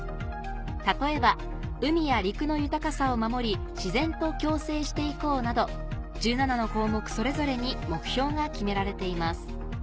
例えば海や陸の豊かさを守り自然と共生して行こうなど１７の項目それぞれに目標が決められています